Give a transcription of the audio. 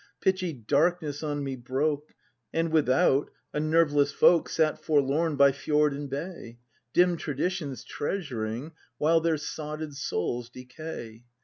Pitchy darkness on me broke, — And, without, a nerveless folk Sat forlorn by fjord and bay, Dim traditions treasuring "While their sotted souls decay.